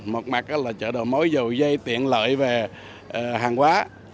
một mặt là chợ đầu mối dầu dây tiện lợi về hàng hóa